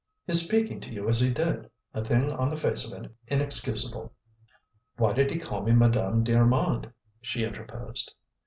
"His speaking to you as he did; a thing on the face of it inexcusable " "Why did he call me 'Madame d'Armand'?" she interposed.